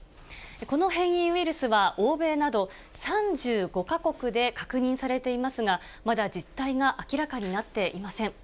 この変異ウイルスは、欧米など３５か国で確認されていますが、まだ実態が明らかになっていません。